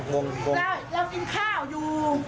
เรามันกินข้าวอยู่